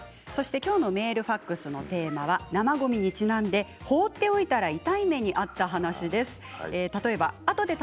きょうのメールファックスのテーマは生ごみにちなんで放っておいたら痛い目にあった話です。